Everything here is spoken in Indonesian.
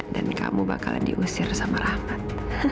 dan kamu bakalan diusir sama rahmat